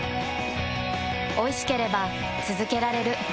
おいしければつづけられる。